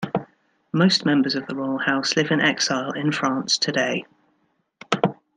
Most members of the royal house live in exile in France today.